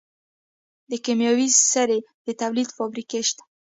د کیمیاوي سرې د تولید فابریکه شته.